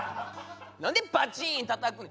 何でバチンたたくねん？